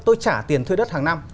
tôi trả tiền thuê đất hàng năm